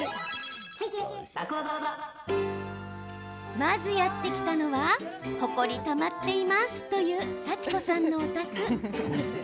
まず、やって来たのはほこり、たまっていますというさちこさんのお宅。